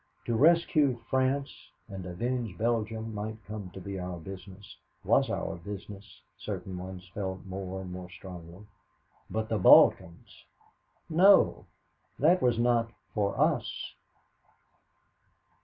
To rescue France and avenge Belgium might come to be our business was our business, certain ones felt more and more strongly. But the Balkans? No, that was not for us.